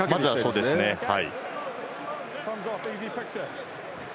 まずはそうですね。